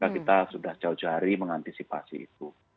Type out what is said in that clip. kita sudah jauh jauh hari mengantisipasi itu